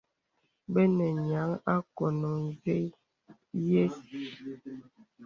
Bə nə nyéaŋ akɔŋɔ yə̀s.